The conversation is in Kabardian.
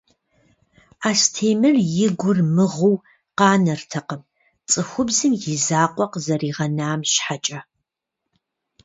Астемыр и гур мыгъуу къанэртэкъым, цӀыхубзым и закъуэ къызэригъэнам щхьэкӀэ.